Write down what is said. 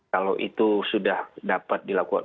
kalau itu sudah dapat dilakukan